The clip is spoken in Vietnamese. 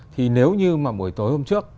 thì nếu như mà buổi tối hôm trước